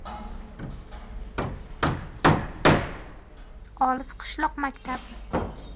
Olis qishloq maktabi